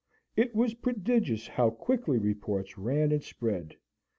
It was prodigious how quickly reports ran and spread.